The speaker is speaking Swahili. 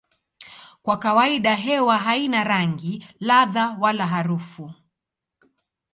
Kwa kawaida hewa haina rangi, ladha wala harufu.